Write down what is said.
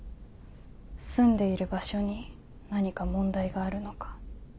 住んでいる場所に何か問題があるのか。